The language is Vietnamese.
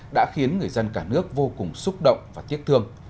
đã khiến người dân cả nước vô cùng xúc động và tiếc thương